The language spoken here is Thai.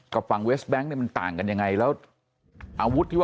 กับฝั่งเวสแบอนก์มันต่างกันยังไง